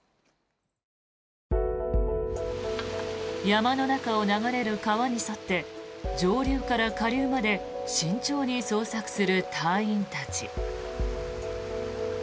山の中を流れる川に沿って上流から下流まで慎重に捜索する隊員たち。